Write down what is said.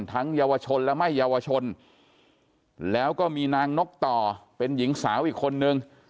เยาวชนและไม่เยาวชนแล้วก็มีนางนกต่อเป็นหญิงสาวอีกคนนึง